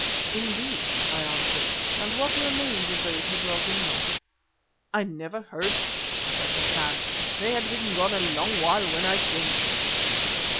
"Indeed," I answered, "and what were the names of those who dwelt in them?" "I never heard," said Hassan; "they had been gone a long while when I came."